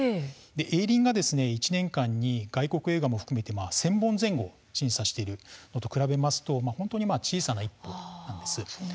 映倫が１年間に外国映画も含めて１０００本前後審査していることと比べると本当に小さな一歩なんです。